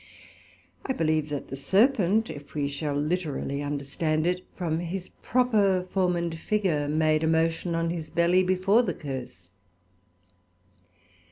I believe that the Serpent (if we shall literally understand it) from his proper form and figure, made his motion on his belly before the curse.